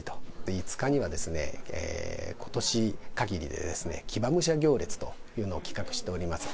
５日には、ことし限りで騎馬武者行列というのを企画しております。